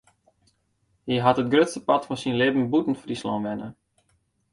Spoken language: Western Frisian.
Hy hat it grutste part fan syn libben bûten Fryslân wenne.